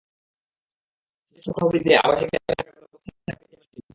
Society নিজস্ব তহবিল দিয়ে আবাসিক এলাকার ভেতরে ক্লোজড সার্কিট ক্যামেরা বসিয়েছে।